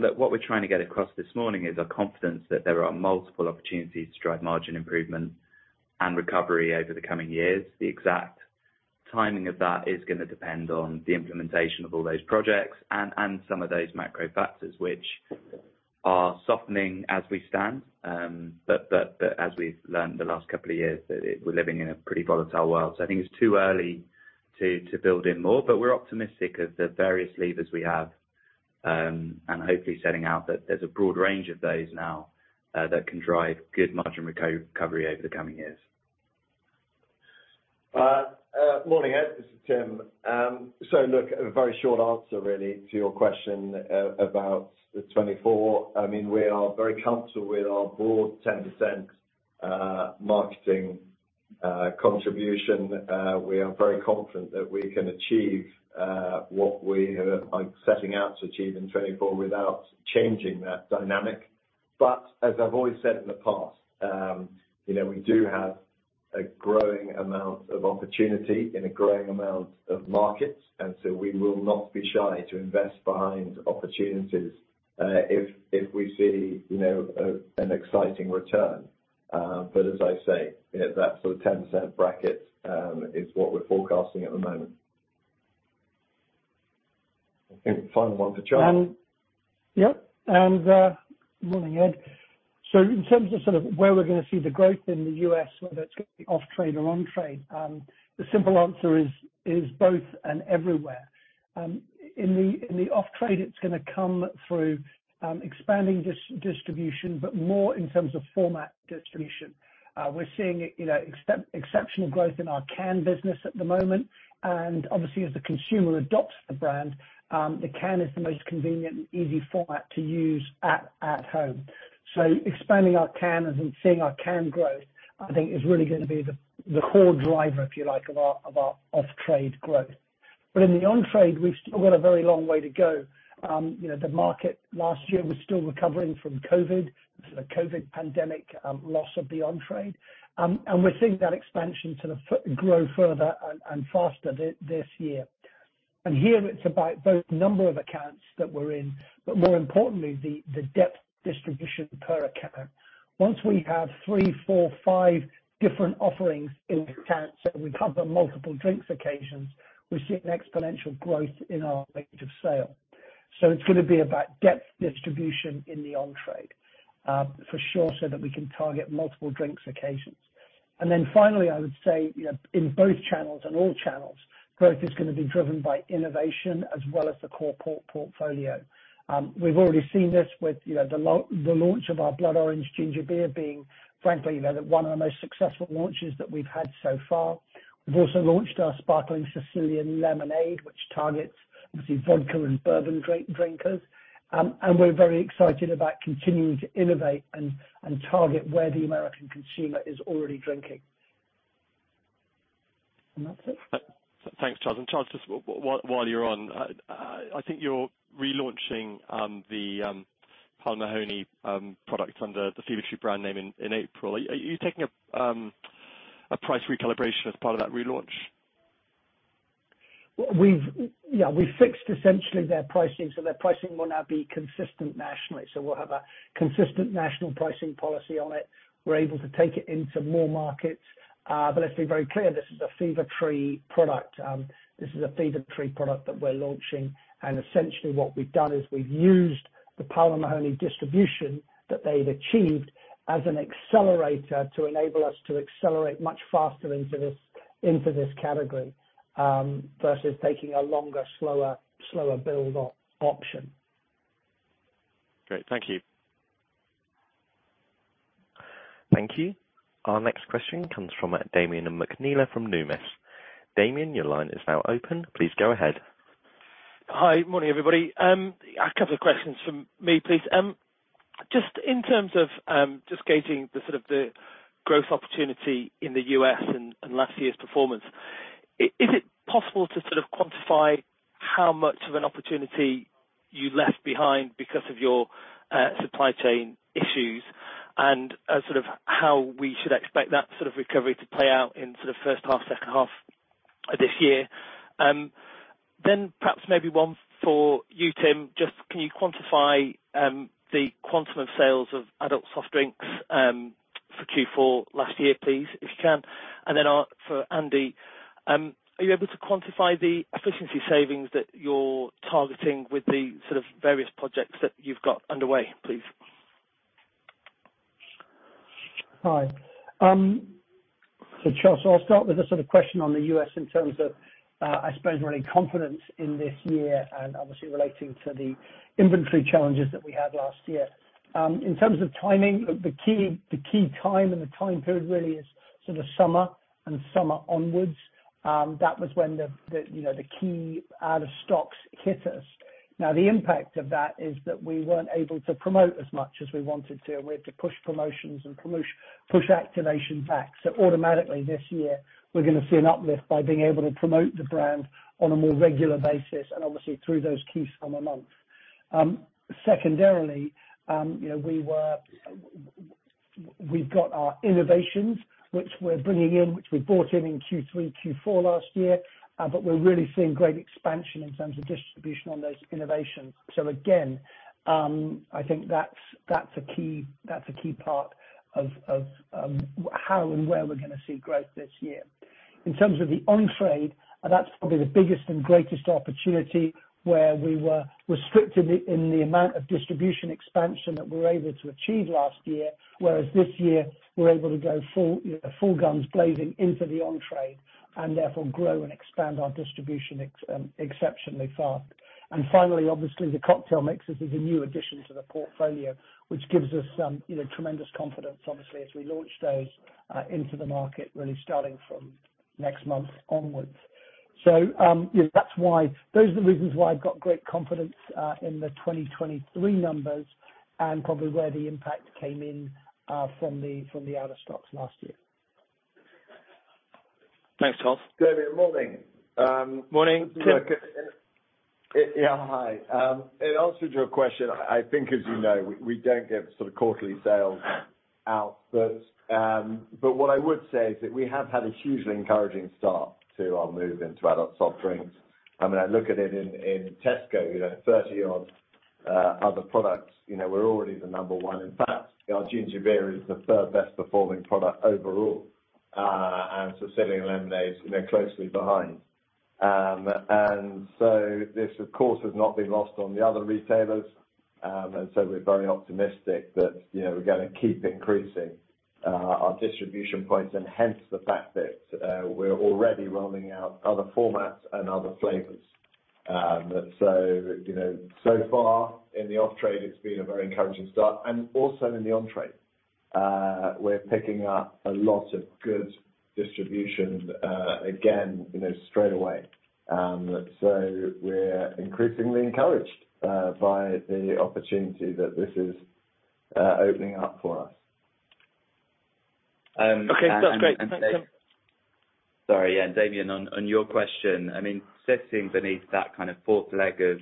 Look, what we're trying to get across this morning is a confidence that there are multiple opportunities to drive margin improvement and recovery over the coming years. The exact timing of that is gonna depend on the implementation of all those projects and some of those macro factors, which are softening as we stand. As we've learned the last couple of years, that we're living in a pretty volatile world. I think it's too early to build in more, but we're optimistic of the various levers we have and hopefully setting out that there's a broad range of those now that can drive good margin recovery over the coming years. Morning, Ed. This is Tim. Look, a very short answer really to your question about 2024. I mean, we are very comfortable with our broad 10% marketing contribution. We are very confident that we can achieve what we are, like, setting out to achieve in 2024 without changing that dynamic. As I've always said in the past, you know, we do have a growing amount of opportunity in a growing amount of markets, we will not be shy to invest behind opportunities if we see an exciting return. As I say, you know, that sort of 10% bracket is what we're forecasting at the moment. I think final one to Charles. Morning, Ed. In terms of sort of where we're gonna see the growth in the U.S., whether it's gonna be off-trade or on-trade, the simple answer is both and everywhere. In the, in the off-trade, it's gonna come through, expanding distribution, but more in terms of format distribution. We're seeing, you know, exceptional growth in our can business at the moment. Obviously as the consumer adopts the brand, the can is the most convenient and easy format to use at home. Expanding our can as in seeing our can grow, I think is really gonna be the core driver, if you like, of our, of our off-trade growth. In the on-trade, we've still got a very long way to go. You know, the market last year was still recovering from COVID, the COVID pandemic, loss of the on-trade. We're seeing that expansion sort of grow further and faster this year. Here it's about both number of accounts that we're in, but more importantly, the depth distribution per account. Once we have three, four, five different offerings in the account, so we cover multiple drinks occasions, we're seeing exponential growth in our rate of sale. It's gonna be about depth distribution in the on-trade, for sure, so that we can target multiple drinks occasions. Finally, I would say, you know, in both channels and all channels, growth is gonna be driven by innovation as well as the core portfolio. We've already seen this with, you know, the launch of our Blood Orange Ginger Beer being, frankly, you know, one of the most successful launches that we've had so far. We've also launched our Sparkling Sicilian Lemonade, which targets obviously vodka and bourbon drinkers. We're very excited about continuing to innovate and target where the American consumer is already drinking. That's it. Thanks, Charles. Charles, just while you're on, I think you're relaunching the Powell & Mahoney product under the Fever-Tree brand name in April. Are you taking a price recalibration as part of that relaunch? Yeah, we fixed essentially their pricing. Their pricing will now be consistent nationally. We'll have a consistent national pricing policy on it. We're able to take it into more markets. Let's be very clear. This is a Fever-Tree product. This is a Fever-Tree product that we're launching. Essentially what we've done is we've used the Powell & Mahoney distribution that they've achieved as an accelerator to enable us to accelerate much faster into this, into this category versus taking a longer, slower build option. Great. Thank you. Thank you. Our next question comes from Damian McNeela from Numis. Damian, your line is now open. Please go ahead. Hi. Morning, everybody. A couple of questions from me, please. Just in terms of just gauging the sort of the growth opportunity in the U.S. and last year's performance, is it possible to sort of quantify how much of an opportunity you left behind because of your supply chain issues and sort of how we should expect that sort of recovery to play out in sort of first half, second half of this year? Perhaps maybe one for you, Tim. Just can you quantify the quantum of sales of adult soft drinks for Q4 last year, please, if you can? For Andy, are you able to quantify the efficiency savings that you're targeting with the sort of various projects that you've got underway, please? Hi. Charles, I'll start with the sort of question on the US in terms of, I suppose really confidence in this year and obviously relating to the inventory challenges that we had last year. In terms of timing, look, the key time and the time period really is sort of summer and summer onwards. That was when the, you know, the key out-of-stocks hit us. The impact of that is that we weren't able to promote as much as we wanted to. We had to push promotions and promo-push activation back. Automatically, this year, we're gonna see an uplift by being able to promote the brand on a more regular basis and obviously through those key summer months. Secondarily, you know, we were. We've got our innovations which we're bringing in, which we brought in Q3, Q4 last year. We're really seeing great expansion in terms of distribution on those innovations. Again, I think that's a key, that's a key part of how and where we're gonna see growth this year. In terms of the on-trade, that's probably the biggest and greatest opportunity where we were restricted in the amount of distribution expansion that we were able to achieve last year, whereas this year we're able to go full, you know, full guns blazing into the on-trade and therefore grow and expand our distribution exceptionally fast. Finally, obviously the cocktail mixes is a new addition to the portfolio, which gives us, you know, tremendous confidence obviously as we launch those into the market, really starting from next month onwards. You know, that's why. Those are the reasons why I've got great confidence in the 2023 numbers and probably where the impact came in from the out of stocks last year. Thanks, Charles. Damian, morning. Morning. Yeah. Hi. In answer to your question, I think as you know, we don't give sort of quarterly sales out. What I would say is that we have had a hugely encouraging start to our move into adult soft drinks. I mean, I look at it in Tesco, you know, 30-odd other products. You know, we're already the number 1. In fact, our ginger beer is the 3rd best performing product overall. Sicilian lemonade is, you know, closely behind. This of course has not been lost on the other retailers. We're very optimistic that, you know, we're gonna keep increasing our distribution points and hence the fact that we're already rolling out other formats and other flavors. You know, so far in the off-trade, it's been a very encouraging start, and also in the on-trade. We're picking up a lot of good distribution, again, you know, straight away. We're increasingly encouraged by the opportunity that this is opening up for us, and. Okay. Sounds great. Thanks, Tim. Sorry. Yeah. Damian, on your question, I mean, sitting beneath that kind of fourth leg of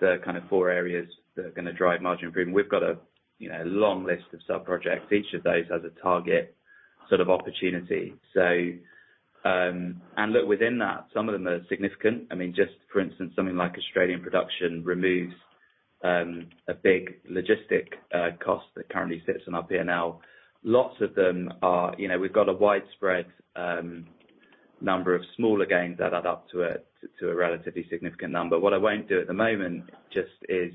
the kind of four areas that are gonna drive margin improvement, we've got a, you know, long list of sub-projects. Each of those has a target sort of opportunity. Look within that, some of them are significant. I mean, just for instance, something like Australian production removes a big logistic cost that currently sits on our P&L. Lots of them are. You know, we've got a widespread number of smaller gains that add up to a relatively significant number. What I won't do at the moment just is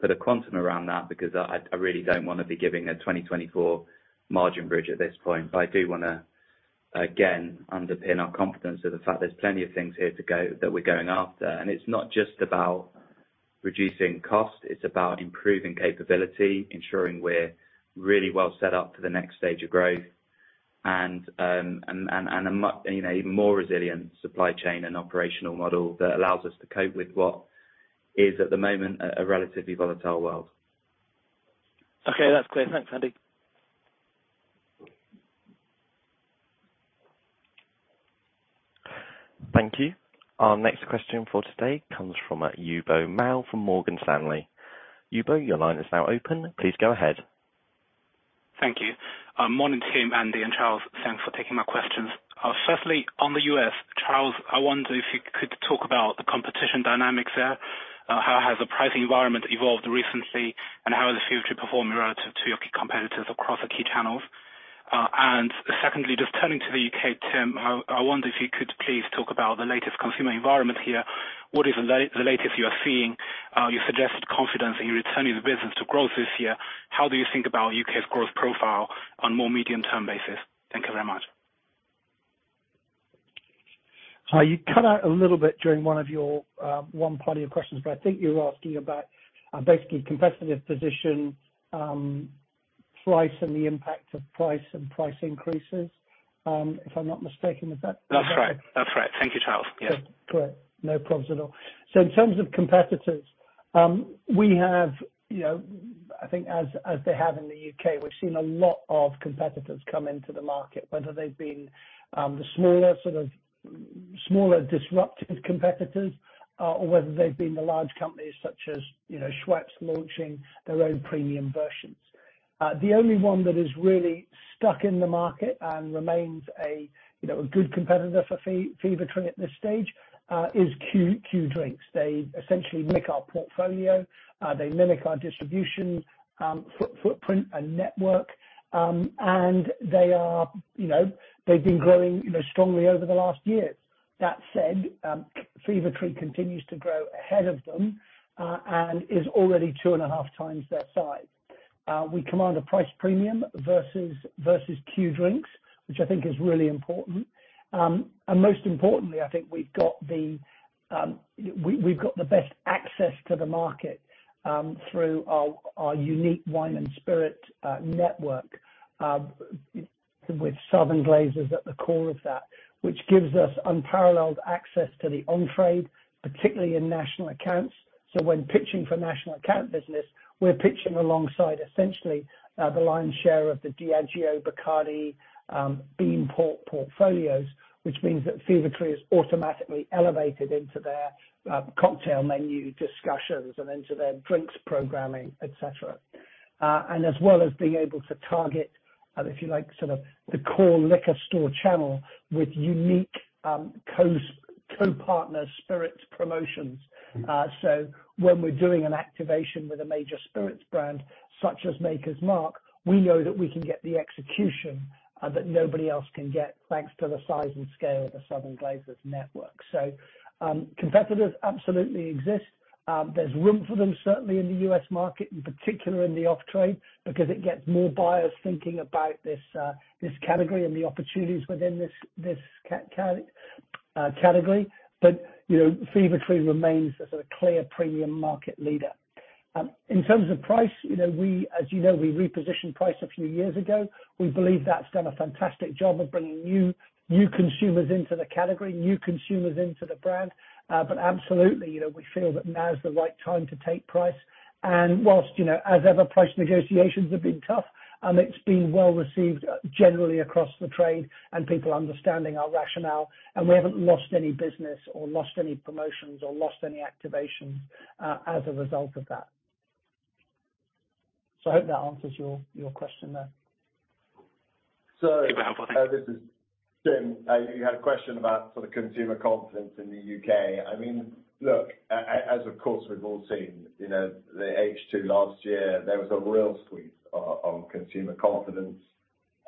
put a quantum around that because I really don't wanna be giving a 2024 margin bridge at this point. I do wanna, again, underpin our confidence of the fact there's plenty of things here to go that we're going after. It's not just about reducing cost, it's about improving capability, ensuring we're really well set up for the next stage of growth. You know, even more resilient supply chain and operational model that allows us to cope with what is, at the moment, a relatively volatile world. Okay, that's clear. Thanks, Andy. Thank you. Our next question for today comes from Yubo Mao from Morgan Stanley. Yubo, your line is now open. Please go ahead. Thank you. Morning team, Andy and Charles. Thanks for taking my questions. Firstly, on the U.S., Charles, I wonder if you could talk about the competition dynamics there. How has the pricing environment evolved recently, and how is Fever-Tree performing relative to your key competitors across the key channels? Secondly, just turning to the U.K., Tim, I wonder if you could please talk about the latest consumer environment here. What is the latest you are seeing? You suggested confidence in returning the business to growth this year. How do you think about U.K.'s growth profile on more medium-term basis? Thank you very much. You cut out a little bit during one of your one part of your questions, but I think you're asking about basically competitive position, price and the impact of price and price increases, if I'm not mistaken. Is that? That's right. That's right. Thank you, Charles. Yeah. Yeah. Correct. No problems at all. In terms of competitors, we have, you know, I think as they have in the UK, we've seen a lot of competitors come into the market, whether they've been, the smaller sort of smaller disruptive competitors, or whether they've been the large companies such as, you know, Schweppes launching their own premium versions. The only one that is really stuck in the market and remains a, you know, a good competitor for Fever-Tree at this stage, is Q Drinks. They essentially mimic our portfolio, they mimic our distribution, footprint and network. They are, you know, they've been growing, you know, strongly over the last years. That said, Fever-Tree continues to grow ahead of them, and is already 2.5x their size. We command a price premium versus Q Mixers, which I think is really important. And most importantly, I think we've got the best access to the market through our unique wine and spirit network with Southern Glazer's at the core of that, which gives us unparalleled access to the on-trade, particularly in national accounts. When pitching for national account business, we're pitching alongside essentially the lion's share of the Diageo, Bacardi, Beam Suntory portfolios, which means that Fever-Tree is automatically elevated into their cocktail menu discussions and into their drinks programming, et cetera. And as well as being able to target, if you like, sort of the core liquor store channel with unique co-partner spirits promotions. When we're doing an activation with a major spirits brand such as Maker's Mark, we know that we can get the execution that nobody else can get thanks to the size and scale of the Southern Glazer's network. Competitors absolutely exist. There's room for them, certainly in the U.S. market, in particular in the off-trade, because it gets more buyers thinking about this category and the opportunities within this category. You know, Fever-Tree remains the sort of clear premium market leader. In terms of price, you know, we, as you know, we repositioned price a few years ago. We believe that's done a fantastic job of bringing new consumers into the category, new consumers into the brand. Absolutely, you know, we feel that now is the right time to take price. While, you know, as ever, price negotiations have been tough, and it's been well received generally across the trade and people understanding our rationale, and we haven't lost any business or lost any promotions or lost any activations as a result of that. I hope that answers your question there. Sure. This is Tim. You had a question about sort of consumer confidence in the U.K. I mean, look, as of course, we've all seen, you know, the H2 last year, there was a real squeeze on consumer confidence.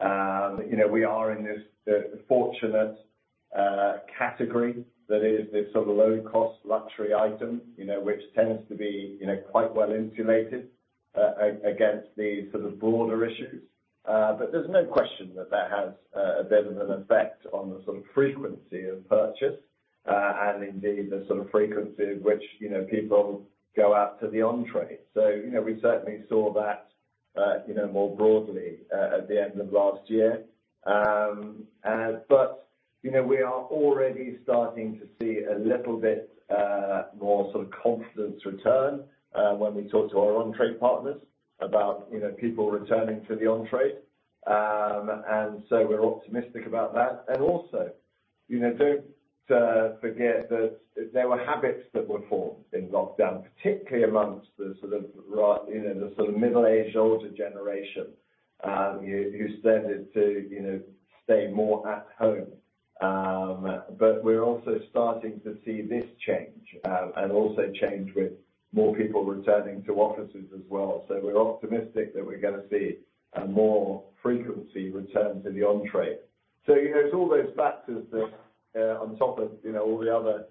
You know, we are in this, the fortunate category that is this sort of low cost, luxury item, you know, which tends to be, you know, quite well insulated against the sort of broader issues. There's no question that that has a bit of an effect on the sort of frequency of purchase, and indeed the sort of frequency in which, you know, people go out to the on-trade. You know, we certainly saw that, you know, more broadly at the end of last year. You know, we are already starting to see a little bit more sort of confidence return when we talk to our on-trade partners about, you know, people returning to the on-trade. We're optimistic about that. Also, you know, don't forget that there were habits that were formed in lockdown, particularly amongst the sort of, you know, the sort of middle-aged, older generation, who tended to, you know, stay more at home. We're also starting to see this change, and also change with more people returning to offices as well. We're optimistic that we're gonna see a moreFrequency return to the on-trade. you know, it's all those factors that, on top of, you know, all the other,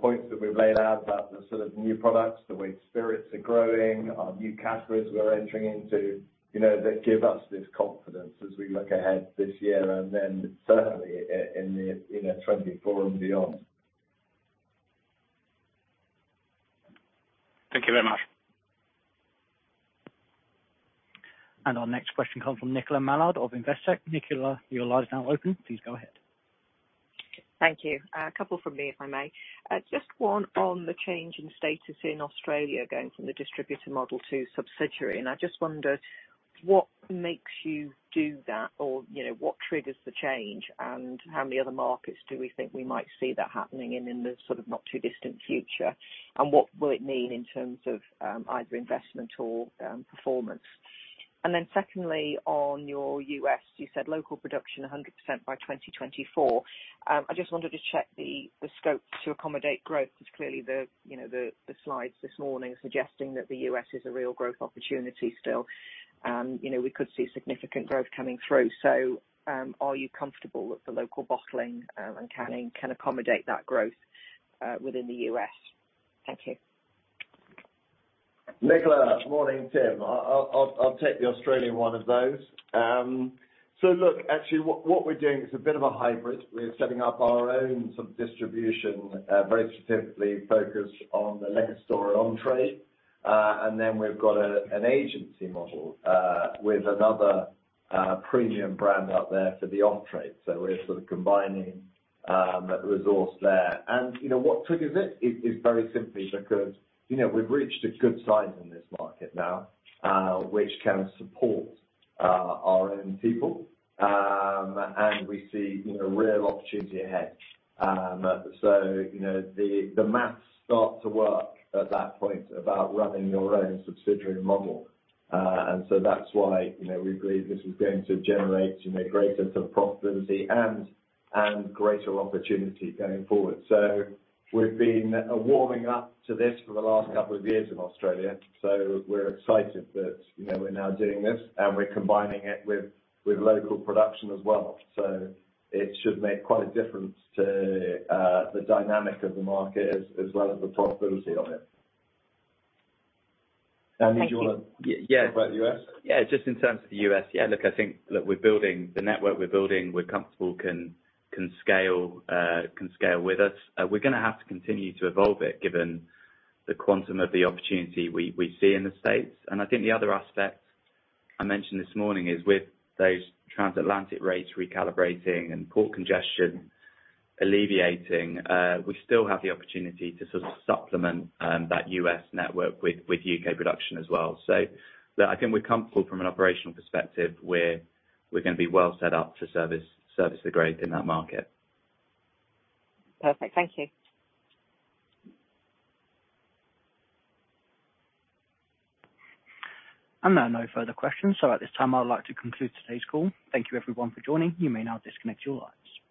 points that we've laid out about the sort of new products, the way spirits are growing, our new categories we are entering into, you know, that give us this confidence as we look ahead this year and then certainly in the, you know, 2024 and beyond. Thank you very much. Our next question comes from Nicola Mallard of Investec. Nicola, your line is now open. Please go ahead. Thank you. A couple from me, if I may. Just one on the change in status in Australia, going from the distributor model to subsidiary. I just wondered what makes you do that? You know, what triggers the change? How many other markets do we think we might see that happening in the sort of not too distant future? What will it mean in terms of either investment or performance? Secondly, on your U.S., you said local production 100% by 2024. I just wanted to check the scope to accommodate growth, 'cause clearly, you know, the slides this morning suggesting that the U.S. is a real growth opportunity still. You know, we could see significant growth coming through. Are you comfortable that the local bottling and canning can accommodate that growth within the U.S.? Thank you. Nicola, morning. Tim. I'll take the Australian one of those. Actually what we're doing is a bit of a hybrid. We are setting up our own sort of distribution, very specifically focused on the legacy or on-trade. And then we've got an agency model with another premium brand out there for the off-trade. We're sort of combining that resource there. You know, what triggers it is very simply because, you know, we've reached a good size in this market now, which can support our own people. And we see, you know, real opportunity ahead. You know, the maths start to work at that point about running your own subsidiary model. That's why, you know, we believe this is going to generate, you know, greater sort of profitability and greater opportunity going forward. We've been warming up to this for the last couple of years in Australia, so we're excited that, you know, we're now doing this and we're combining it with local production as well. It should make quite a difference to the dynamic of the market as well as the profitability of it. Thank you. Andy, do you wanna? Yeah. talk about the U.S.? Just in terms of the U.S. Look, I think the network we're building, we're comfortable can scale with us. We're going to have to continue to evolve it given the quantum of the opportunity we see in the States. I think the other aspect I mentioned this morning is with those transatlantic rates recalibrating and port congestion alleviating, we still have the opportunity to sort of supplement that U.S. network with U.K. production as well. I think we're comfortable from an operational perspective. We're going to be well set up to service the growth in that market. Perfect. Thank you. There are no further questions. At this time, I would like to conclude today's call. Thank you everyone for joining. You may now disconnect your lines.